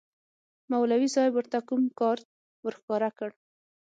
مولوي صاحب ورته کوم کارت ورښکاره کړ.